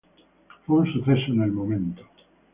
Fue un suceso en el momento.